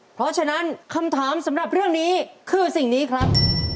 เพราะฉะนั้นคำถามสำหรับเรื่องนี้คือสิ่งนี้ครับ